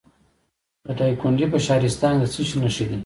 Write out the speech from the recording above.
د دایکنډي په شهرستان کې د څه شي نښې دي؟